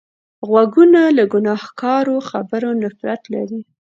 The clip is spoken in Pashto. غوږونه له ګناهکارو خبرو نفرت لري